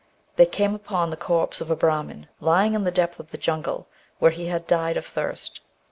They came upon the corpse of a Brahmin lying in the depth of the jungle, where he had died of thirst.